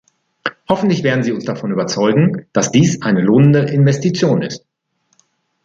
Hoffentlich werden Sie uns davon überzeugen, dass dies eine lohnende Investition ist.